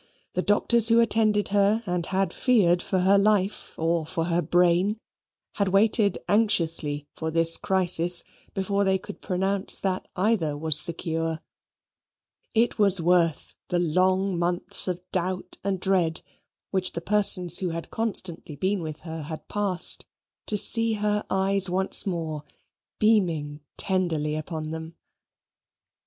The doctors who attended her, and had feared for her life or for her brain, had waited anxiously for this crisis before they could pronounce that either was secure. It was worth the long months of doubt and dread which the persons who had constantly been with her had passed, to see her eyes once more beaming tenderly upon them.